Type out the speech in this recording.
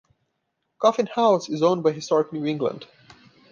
Coffin House is owned by Historic New England.